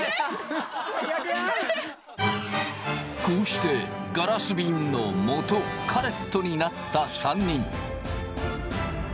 こうしてガラスびんのもとカレットになった３人。